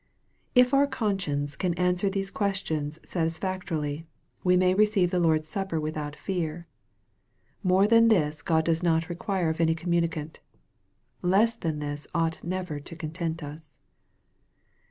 If our conscience can answer these questions satisfactorily, we may receive the Lord's supper without fear. More than this God does not require of any communicant. Less than this ought never to content us.